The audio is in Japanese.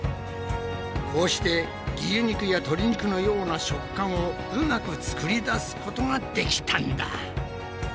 こうして牛肉やとり肉のような食感をうまく作り出すことができたんだ。